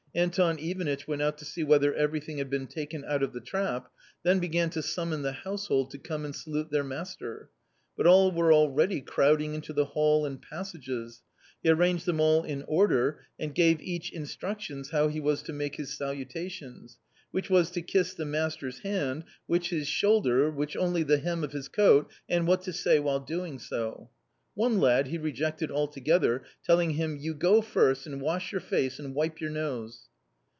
Anton Ivanitch went out to see whether everything had been taken out of the trap, then began to summon the household to come and salute their master. But all were already crowd ing into the hall and passages. He arranged them all in order and gave each instructions how he was to make his salutations ; which was to kiss the master's hand, which his shoulder, which only the hem of his coat, and what to say while doing so. One lad he rejected altogether, telling him, "you go first and wash your face and wipe your nose."